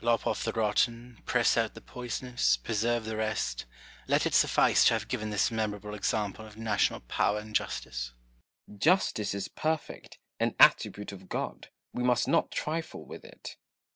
Noble. Lop ofi" the rotten, press out the poisonous, pre serve the rest; let it suffice to have given this memorable example of national power and justice. Cromwell. Justice is perfect ; an attribute of God : we must not trifle with it.